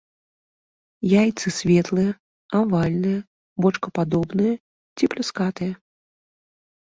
Яйцы светлыя, авальныя, бочкападобныя ці пляскатыя.